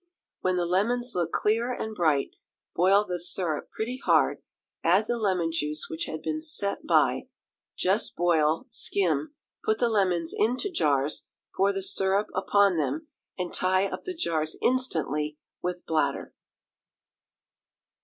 When the lemons look clear and bright, boil the syrup pretty hard, add the lemon juice which had been set by, just boil, skim; put the lemons into jars, pour the syrup upon them, and tie up the jars instantly with bladder.